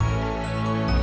karena dia sudah berubah